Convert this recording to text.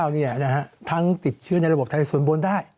๒๐๐๙นี่นะครับทั้งติดเชื้อในระบบไทยส่วนบนได้